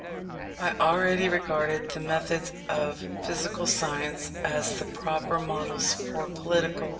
I already regarded the methods of physical science as the proper models for political.